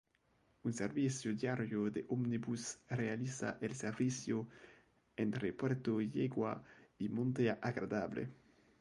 Un servicio diario de ómnibus realiza el servicio entre Puerto Yegua y Monte Agradable.